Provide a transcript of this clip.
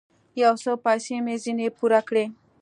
يو څه پيسې مې ځنې پور کړې.